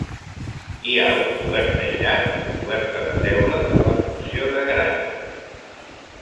Hi ha un cobert aïllat amb coberta de teula que fa funció de garatge.